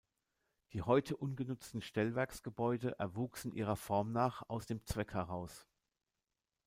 Die heute ungenutzten Stellwerksgebäude erwuchsen ihrer Form nach aus dem Zweck heraus.